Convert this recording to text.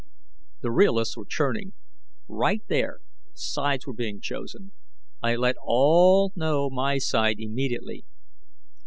The realists were churning. Right there, sides were being chosen. I let all know my side immediately.